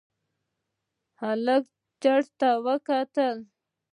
هلک چت ته کتل.